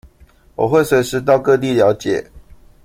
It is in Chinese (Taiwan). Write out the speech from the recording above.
我會隨時到各地了解